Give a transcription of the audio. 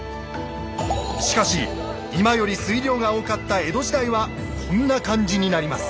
しかし今より水量が多かった江戸時代はこんな感じになります。